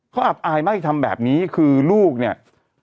เขาอับอายมากที่ทำแบบนี้คือลูกเนี่ย